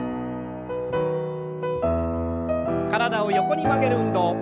体を横に曲げる運動。